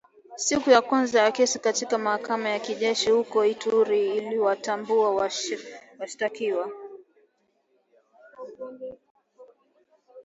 Siku ya kwanza ya kesi katika mahakama ya kijeshi huko Ituri iliwatambua washtakiwa